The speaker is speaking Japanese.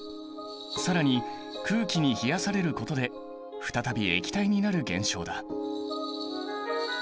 更に空気に冷やされることで再び液体になる現象だ。